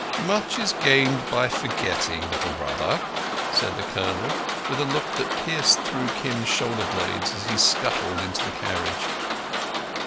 "Much is gained by forgetting, little brother," said the Colonel, with a look that pierced through Kim's shoulder blades as he scuttled into the carriage.